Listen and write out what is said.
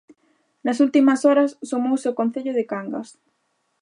Nas últimas horas sumouse o concello de Cangas.